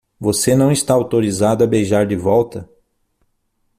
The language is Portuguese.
Você não está autorizado a beijar de volta?